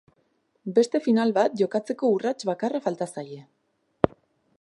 Beste final bat jokatzeko urrats bakarra falta zaie.